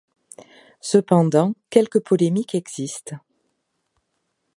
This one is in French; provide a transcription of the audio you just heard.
Cependant, quelques polémiques existent.